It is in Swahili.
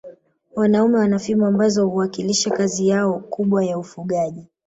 Wanaume wana fimbo ambazo huwakilisha kazi yao kubwa ya ufugaji